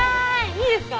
いいですか？